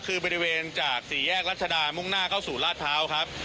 คือบริเวณจากสี่แยกรัชดามุ่งหน้าเข้าสู่ราชพร้าวครับ